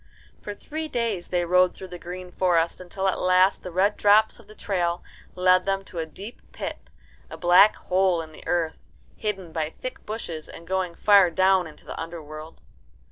For three days they rode through the green forest, until at last the red drops of the trail led them to a deep pit, a black hole in the earth, hidden by thick bushes and going far down into the underworld.